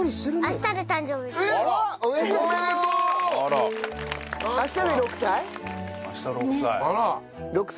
明日で６歳？